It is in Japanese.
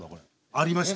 ありました。